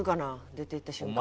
出ていった瞬間。